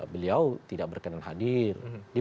beliau tidak berkenan hadir